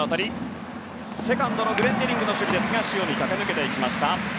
セカンドグレンディニングの守備ですが塩見、駆け抜けていきました。